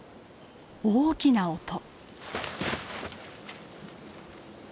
大きな音！